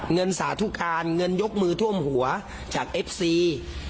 สาธุการเงินยกมือท่วมหัวจากเอฟซี